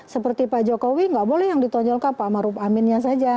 seperti pak jokowi gak boleh yang ditonjolkan pak amin nya saja